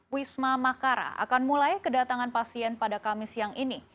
wisma makara akan mulai kedatangan pasien pada kamis siang ini